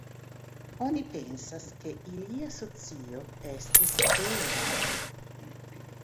Oni pensas, ke ilia socio estis feŭda.